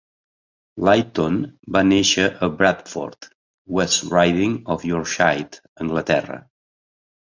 Layton va néixer a Bradford, West Riding of Yorkshire, Anglaterra.